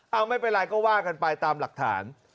เอาไม่เป็นไรก็ว่ากันไปตามหลักฐาน